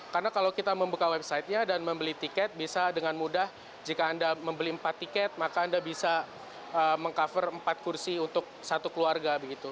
karena kalau kita membuka website nya dan membeli tiket bisa dengan mudah jika anda membeli empat tiket maka anda bisa meng cover empat kursi untuk satu keluarga